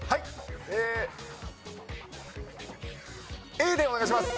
Ａでお願いします。